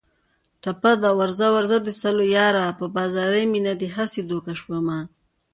ټپه ده: ورځه ورځه د سلو یاره په بازاري مینه دې هسې دوکه شومه